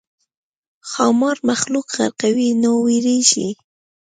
ښامار مخلوق غرقوي نو وېرېږي.